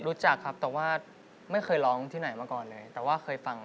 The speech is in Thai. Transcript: รู้จักครับแต่ว่าไม่เคยร้องที่ไหนมาก่อนเลย